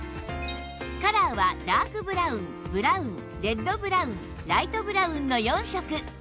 カラーはダークブラウンブラウンレッドブラウンライトブラウンの４色